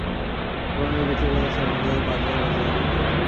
ভাগ্যক্রমে নূর বেঁচে গেলেও তার সমর্থক পাঁচজন তাকে বাঁচাতে গিয়ে নিহত হন।